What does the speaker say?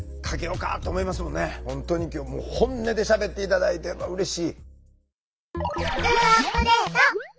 本当に今日本音でしゃべって頂いてうれしい。